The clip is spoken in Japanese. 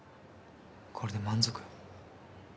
これで満足？